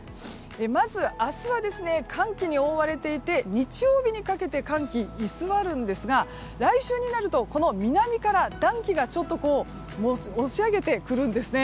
まず、明日は寒気に覆われていて日曜日にかけて寒気が居座るんですが来週になると、南から暖気が押し上げてくるんですね。